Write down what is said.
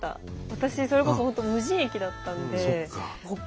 私それこそ本当無人駅だったんで。